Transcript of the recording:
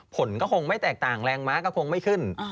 ผลก็คงไม่แตกต่างแรงม้าก็คงไม่ขึ้น